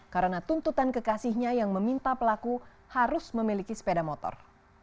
karena tuntutan kekasihnya yang meminta pelaku harus memiliki sepeda motor